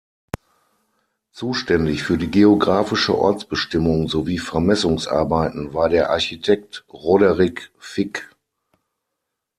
Zuständig für die geographische Ortsbestimmung sowie Vermessungsarbeiten war der Architekt Roderich Fick.